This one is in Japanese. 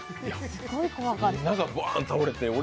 すごい怖かった。